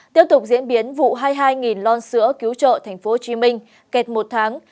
tiếp tục diễn biến vụ hai mươi hai lon sữa cứu trợ tp hcm kẹt một tháng